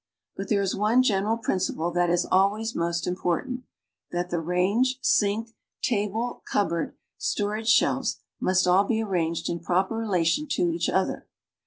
But there is one general principle that is always most important — that the range, sink, table, cupboard, storage shelves must all be arranged in proper relation to each other.